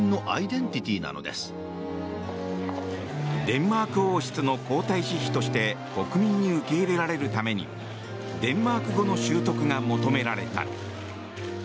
デンマーク王室の皇太子妃として国民に受け入れられるためにデンマーク語の習得が求められた。